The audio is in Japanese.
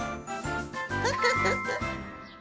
フフフフ。